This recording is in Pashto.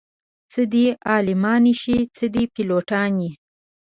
څه دې عالمانې شي څه دې پيلوټانې